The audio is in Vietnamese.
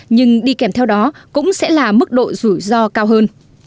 nhưng đi kèm theo đó cũng sẽ là mức độ rủi ro cao hơn